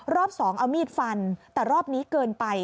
รอบสองเอามีดฟันแต่รอบนี้เกินไป